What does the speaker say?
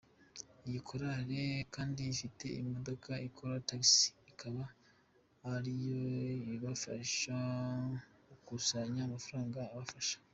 Iyi Korale kandi ifite imodoka ikora taxis ikaba ariyo ibafasha gukusanya amafaranga abafasha.